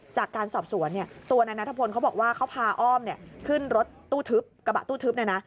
จากการสอบสวนตัวในนัตฑพลเขาบอกว่าเขาพาอ้อมขึ้นรถกระบะตู้ทึบ